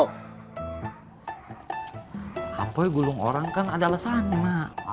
pak boy gulung orang kan ada alesannya mak